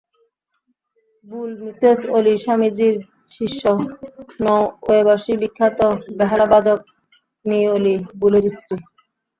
বুল, Mrs Ole স্বামীজীর শিষ্যা, নরওয়েবাসী বিখ্যাত বেহালাবাদক মি ওলি বুলের স্ত্রী।